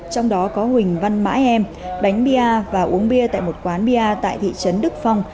trong đó có huỳnh văn mãi em bánh bia và uống bia tại một quán bia tại thị trấn đức phong